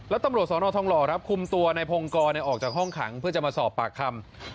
แล้วตำรวจสอนอทองหล่อครับคุมตัวในพงกรออกจากห้องขังเพื่อจะมาสอบปากคำ